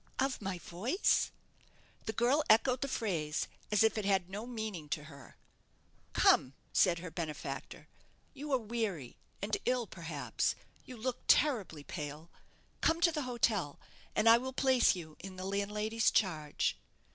"Of my voice!" The girl echoed the phrase as if it had no meaning to her. "Come," said her benefactor, "you are weary, and ill, perhaps. You look terribly pale. Come to the hotel, and I will place you in the landlady's charge."